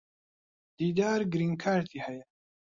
دیدار گرین کارتی ھەیە.